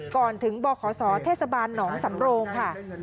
ก่อนถึงบขศเทศบาลหนองสำโรงค่ะ